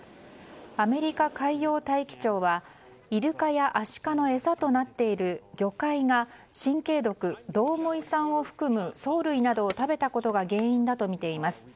アメリカ海洋大気庁はイルカやアシカの餌となっている魚介が、神経毒ドウモイ酸を含む藻類などを食べたことが原因だとみています。